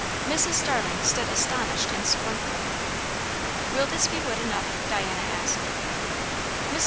Mrs. Starling stood astonished and scornful. "Will this be wood enough?" Diana asked. Mr.